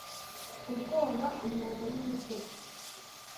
Ubwoba, umwobo n’umutego,